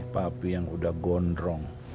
papi yang udah gondrong